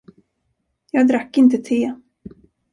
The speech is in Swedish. Jag drack inte te.